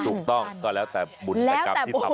ถูกต้องก็แล้วแต่บุตกรรมที่ทำ